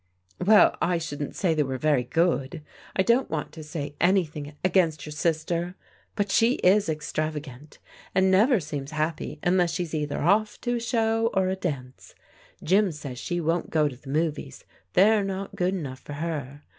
" Well, I shouldn't say they were very good. I don't want to say anything against your sister, but she is ex travagant, and never seems happy unless she's either off to a show or a dance. Jim says she won't go to the movies, they're not good enough for her.